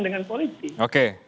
dengan politik oke